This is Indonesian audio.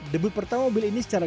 debut pertama mobil ini secara